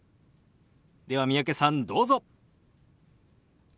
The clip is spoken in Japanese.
では三宅さんどうぞ。